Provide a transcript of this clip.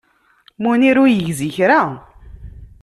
Munir ur yegzi kra.